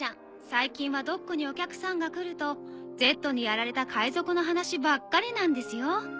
最近はドックにお客さんが来るとＺにやられた海賊の話ばっかりなんですよ。